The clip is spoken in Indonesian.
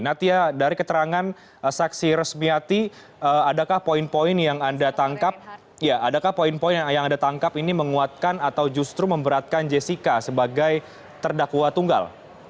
natia dari keterangan saksi resmiati adakah poin poin yang anda tangkap ini menguatkan atau justru memberatkan jessica sebagai terdakwa tunggal